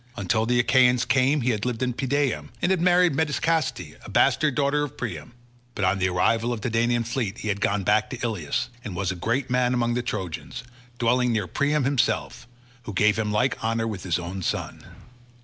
Until the Achaeans came he had lived in Pedaeum, and had married Medesicaste, a bastard daughter of Priam; but on the arrival of the Danaan fleet he had gone back to Ilius, and was a great man among the Trojans, dwelling near Priam himself, who gave him like honour with his own sons.